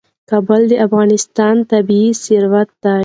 کابل د افغانستان طبعي ثروت دی.